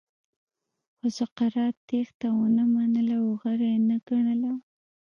خو سقراط تېښته ونه منله او غوره یې نه ګڼله.